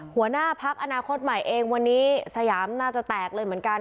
หัวหน้าพักอนาคตใหม่เองวันนี้สยามน่าจะแตกเลยเหมือนกัน